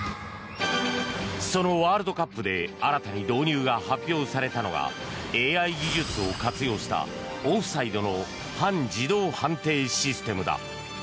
そのワールドカップで新たに導入が発表されたのがＡＩ技術を活用したオフサイドの半自動判定システムだ。